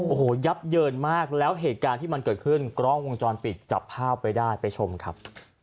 โอ้โหยับเยินมากแล้วเหตุการณ์ที่มันเกิดขึ้นกล้องวงจรปิดจับภาพไว้ได้ไปชมครับ